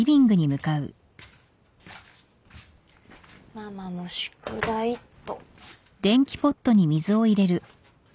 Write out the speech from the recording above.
ママも宿題っと。